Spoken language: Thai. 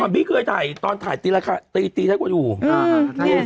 พี่เคยถ่ายตอนถ่ายตีราคารสวัสดี